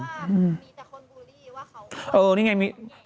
มีแต่คนบูลลี่ว่าเขาอ้วน